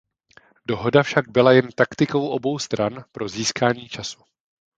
Dohoda však byla jen taktikou obou stran pro získání času.